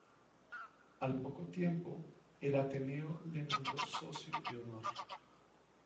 Al poco tiempo, el Ateneo le nombró Socio de Honor.